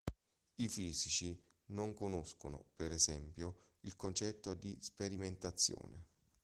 I fisici non conoscono, per esempio, il concetto di sperimentazione.